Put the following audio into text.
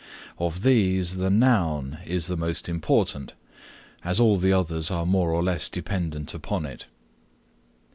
Of these, the Noun is the most important, as all the others are more or less dependent upon it.